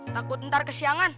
takut ntar kesiangan